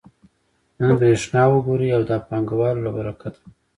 نن برېښنا وګورئ دا د پانګوالو له برکته ده